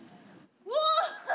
うわ！